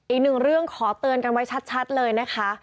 อีกหนึ่งเรื่องขอเตือนกันไว้ชัดเลยนะคะ